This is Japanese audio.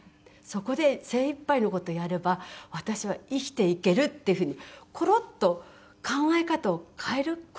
そこで精いっぱいの事をやれば私は生きていけるっていうふうにコロッと考え方を変える事にしたんですね。